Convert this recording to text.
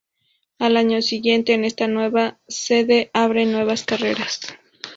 Al año siguiente, en esta nueva sede abren nuevas carreras.